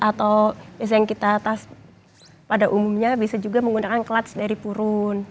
atau yang kita tas pada umumnya bisa juga menggunakan klats dari purun